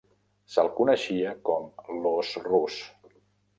Se'l coneixia com l'"os rus".